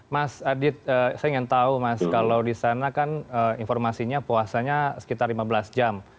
mas adit saya ingin tahu mas kalau di sana kan informasinya puasanya sekitar lima belas jam